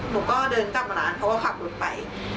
หนูก็เดินกลับมาร้านเขาก็ขับรถไป